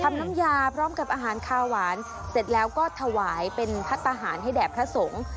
น้ำยาพร้อมกับอาหารคาหวานเสร็จแล้วก็ถวายเป็นพัฒนาหารให้แด่พระสงฆ์